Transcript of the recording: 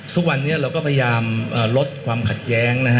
ทุกวันนี้เราก็พยายามลดความขัดแย้งนะฮะ